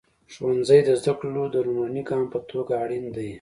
ښوونځی د زده کړو د لومړني ګام په توګه اړین دی.